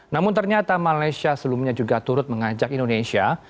namun ternyata malaysia sebelumnya juga turut mengajak indonesia